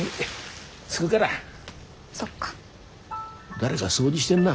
誰が掃除してんな。